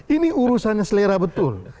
ini urusannya selera betul